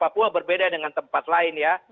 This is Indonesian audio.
papua berbeda dengan tempat lain ya